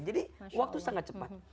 jadi waktu sangat cepat